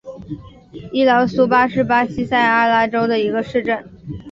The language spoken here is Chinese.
伊劳苏巴是巴西塞阿拉州的一个市镇。